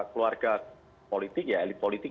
keluarga politik ya elit politik